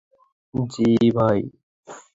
জি, ভাই!